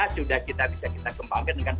sudah bisa kita kembangkan dengan